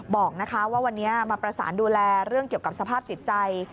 บอกว่าวันนี้มาประสานดูแลเรื่องเกี่ยวกับสภาพจิตใจ